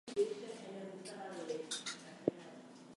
The two communities are accessible only by sea or air.